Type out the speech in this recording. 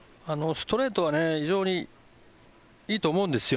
ストレートは非常にいいと思うんですよ。